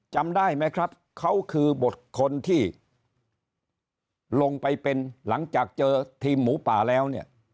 จำได้ไหมครับเขาคือบทคนที่ลงไปเป็นหลังจากเจอทีมหมูป่าแล้วเนี่ย